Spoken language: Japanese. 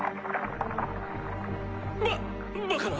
ババカな！